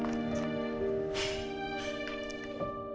untuk vitamin dan obat panas